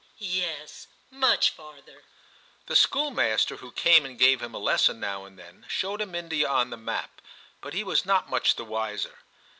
* Yes, much farther/ The schoolmaster, who came and gave him a lesson now and then, showed him India on the map, but he was not much the wiser.